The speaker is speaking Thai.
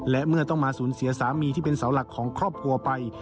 และเมื่อต้องมาสูญเสียสามีที่เป็นเสาหลักของครอบครัวไป